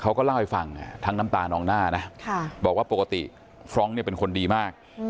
เขาก็เล่าให้ฟังทั้งน้ำตานองหน้านะบอกว่าปกติฟรองก์เนี่ยเป็นคนดีมาก